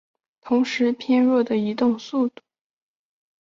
同时偏弱的移动速度及极慢的射击速度使其非常不适应近身战斗。